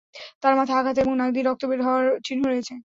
তাঁর মাথায় আঘাতের এবং নাক দিয়ে রক্ত বের হওয়ার চিহ্ন রয়েছে।